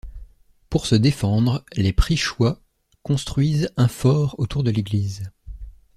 Pour se défendre, les Prischois construisent un fort autour de l’église.